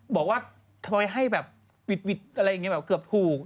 บอกว่าทำไมให้แบบปิดอะไรอย่างนี้แบบเกือบถูก